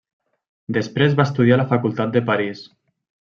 Després va estudiar a la Facultat de París.